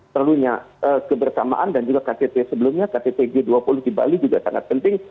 perlunya kebersamaan dan juga ktt sebelumnya ktt g dua puluh di bali juga sangat penting